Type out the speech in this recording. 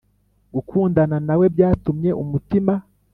gukundana nawe byatumye umutima